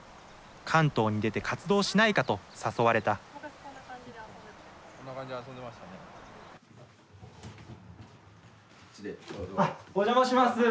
関東に出て活動しないかと誘われたこっちでどうぞ。